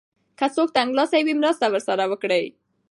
که څوک تنګلاسی وي مرسته ورسره وکړئ.